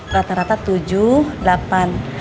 rata rata tujuh delapan